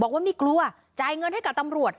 บอกว่าไม่กลัวจ่ายเงินให้กับตำรวจ